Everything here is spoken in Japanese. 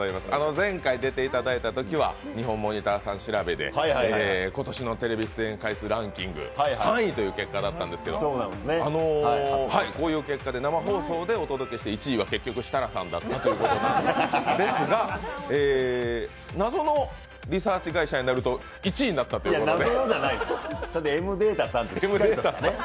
前回出ていただいたときはニホンモニターさん調べで今年のテレビ出演回数ランキング３位という結果だったんですけど、こういう結果で、生放送でお届けして、１位は結局設楽さんだったということですが、謎のリサーチ会社になると１位になったということで。